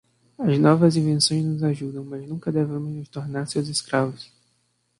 As novas invenções nos ajudam, mas nunca devemos nos tornar seus escravos.